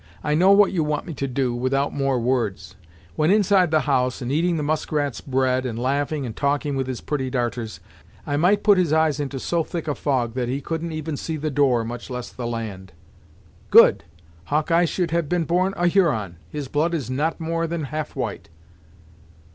I know what you want me to do, without more words. When inside the house, and eating the Muskrat's bread, and laughing and talking with his pretty darters, I might put his eyes into so thick a fog, that he couldn't even see the door, much less the land." "Good! Hawkeye should have been born a Huron! His blood is not more than half white!"